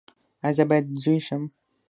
ایا زه باید زوی شم؟